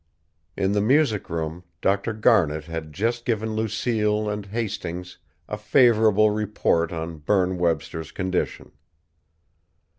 In the music room Dr. Garnet had just given Lucille and Hastings a favourable report on Berne Webster's condition.